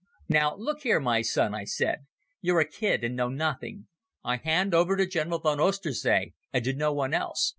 "Now, look here, my son," I said; "you're a kid and know nothing. I hand over to General von Oesterzee and to no one else."